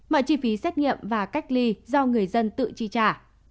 mọi chi phí xét nghiệm và cách ly do người dân tự chi trả